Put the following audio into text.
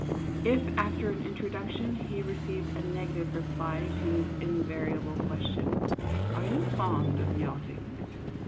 If, after an introduction, he received a negative reply to his invariable question, " Are you fond of yachting